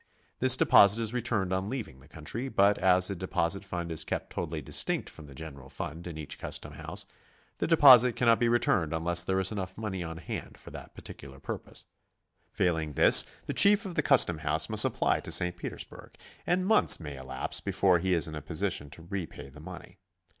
This deposit is returned on leaving the country, but as the de posit fund is kept totally distinct from the general fund in each custom house, the deposit cannot be returned unless there is enoug^h money on hand for that particular purpose. Failing this, the Chief of the custom house must apply to St. Petersburg, and months may elapse before he is in a position to repay the money.